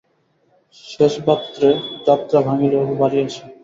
শেষ বাত্রে যাত্রা ভাঙিলে অপু বাড়ি আসে।